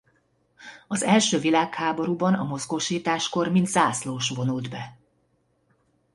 Az első világháborúban a mozgósításkor mint zászlós vonult be.